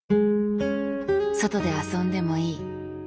「外で遊んでもいい」。